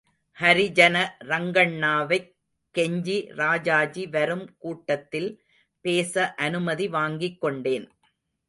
ஹரிஜன ரங்கண்ணாவைக் கெஞ்சி ராஜாஜி வரும் கூட்டத்தில் பேச அனுமதி வாங்கிக் கொண்டேன்.